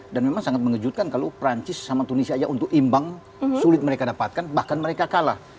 dan memang sangat mengejutkan kalau perancis sama tunisia aja untuk imbang sulit mereka dapatkan bahkan mereka kalah